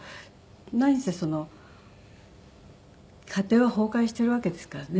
何せその家庭は崩壊しているわけですからね。